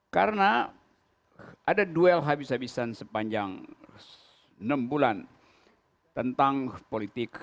karena ada duel habis habisan sepanjang enam bulan tentang politik